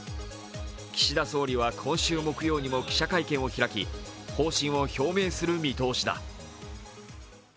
岸田総理は今週木曜に記者会見を開き、方針を表明する見通しだ。